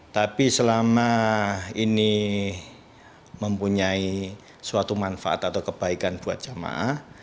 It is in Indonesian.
tapi selama ini mempunyai suatu manfaat atau kebaikan buat jamaah